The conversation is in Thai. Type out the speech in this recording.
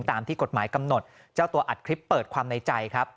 ตามที่กฎหมายกำหนดเจ้าตัวอัดคลิปเปิดความในใจครับ